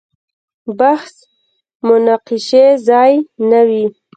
بحث مناقشې ځای نه وي.